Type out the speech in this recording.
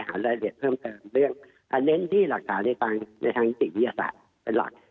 หารายละเอียดเพิ่มเติมเรื่องแน่นที่หลักศาลในทางนิติฯภิเศษเป็นหลัก